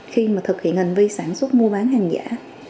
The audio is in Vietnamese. khi mà thực hiện hành vi sản xuất mua bán hàng giả